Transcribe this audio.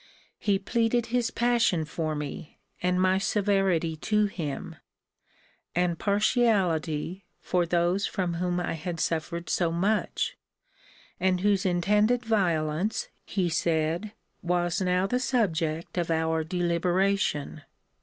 He pleaded his passion for me, and my severity to him, and partiality for those from whom I had suffered so much; and whose intended violence, he said, was now the subject of our deliberation.